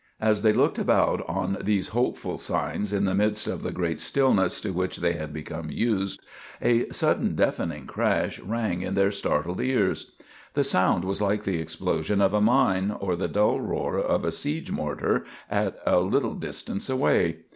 As they looked about on these hopeful signs in the midst of the great stillness to which they had become used, a sudden deafening crash rang in their startled ears. The sound was like the explosion of a mine or the dull roar of a siege mortar at a little distance away.